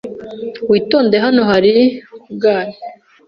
Witonde, hano hari cougars.